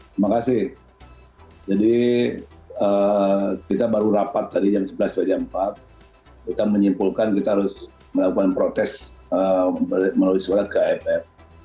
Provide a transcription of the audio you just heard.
terima kasih jadi kita baru rapat tadi yang sebelas empat kita menyimpulkan kita harus melakukan protes melalui surat kff